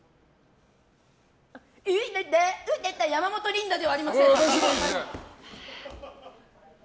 山本リンダではありません。